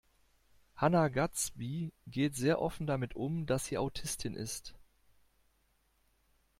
Hannah Gadsby geht sehr offen damit um, dass sie Autistin ist.